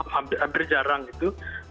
hampir jarang gitu